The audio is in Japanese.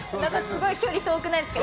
すごい距離遠くないですか？